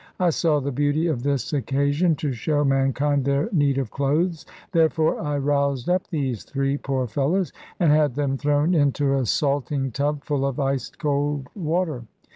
I saw the beauty of this occasion to show mankind their need of clothes; therefore I roused up these three poor fellows, and had them thrown into a salting tub full of ice cold water.